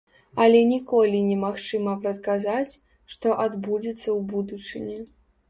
Але ніколі не магчыма прадказаць, што адбудзецца ў будучыні.